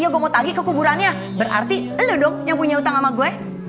dia maaf kok mau tagi ke kuburannya berarti lu dong yang punya utang sama gue iya nggak